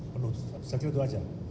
penuh saya kira itu saja